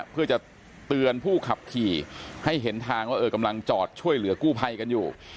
เพื่อจะเตือนผู้ขับขี่ให้เห็นทางว่ากำลังจอดช่วยเหลือกู้ภัยกันอยู่